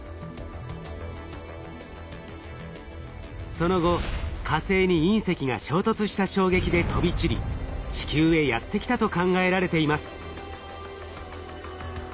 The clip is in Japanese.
その後火星に隕石が衝突した衝撃で飛び散り地球へやって来たと考えられています。